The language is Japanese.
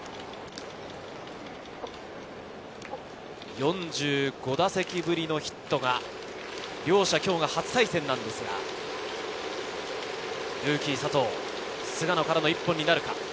４５打席ぶりのヒットが両者、今日が初対戦ですが、ルーキー・佐藤、菅野からの１本になるか。